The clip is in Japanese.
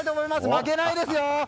負けないですよ！